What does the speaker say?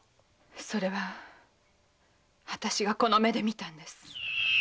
それはあたしがこの目で見たんです。